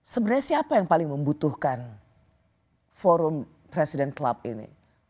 sebenarnya siapa yang paling membutuhkan forum presiden club ini